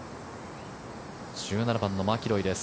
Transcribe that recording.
１７番のマキロイです。